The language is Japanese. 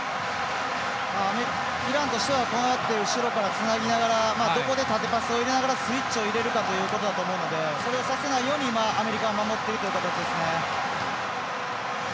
イランとしては後ろから、つなぎながらどこで縦パスを入れながらスイッチを入れるかということだと思うのでそれをさせないように今アメリカは守っている形ですね。